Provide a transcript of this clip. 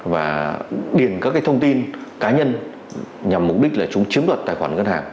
và điền các thông tin cá nhân nhằm mục đích là chúng chiếm đoạt tài khoản ngân hàng